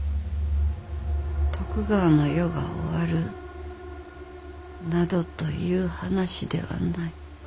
徳川の世が終わるなどという話ではない。